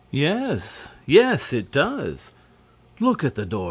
"Yes, yes, it does! Look at the door.